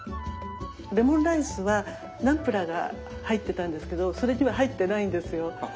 レモンライスはナムプラーが入ってたんですけどそれには入ってないんですよ。